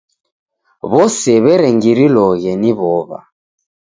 W'ose w'erengiriloghe ni w'ow'a.